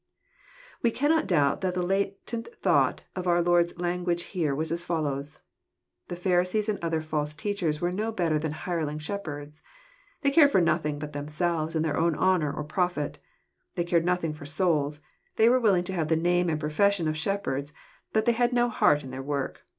We cannot doubt that the latent thought of our Lord's language here was as follows. The Pharisees and other false teachers were no better than hireling shepherds. They cared for nothing but themselves, and their own honour or profit. They cared nothing for souls. They were willing to have the name and profession of shepherds, but they had no heart in their work.